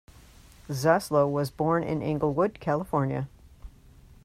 Zaslow was born in Inglewood, California.